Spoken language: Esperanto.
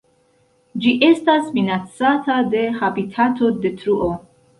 Ĝi estas minacata de habitatodetruo.